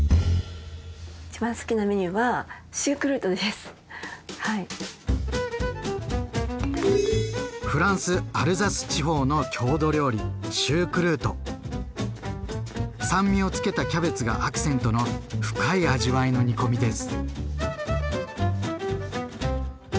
一番好きなメニューはフランスアルザス地方の郷土料理酸味をつけたキャベツがアクセントの深い味わいの煮込みです。